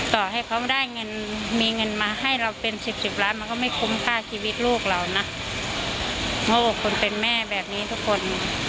ต่อให้เขาได้เงินมีเงินมาให้เราเป็นสิบสิบล้านมันก็ไม่คุ้มค่าชีวิตลูกเรานะหัวอกคนเป็นแม่แบบนี้ทุกคน